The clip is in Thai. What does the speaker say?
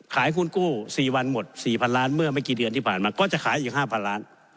ขายหุ้นกู้๔วันหมด๔๐๐๐ล้านเมื่อเมื่อกี่เดือนที่ผ่านมา